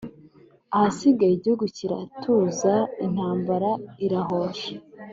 ahasigaye igihugu kiratuza, intambara irahosha